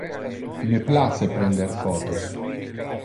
Me place prender photos.